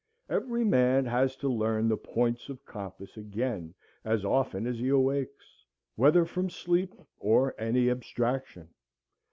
Every man has to learn the points of compass again as often as he awakes, whether from sleep or any abstraction.